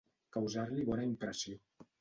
Causar-li bona impressió.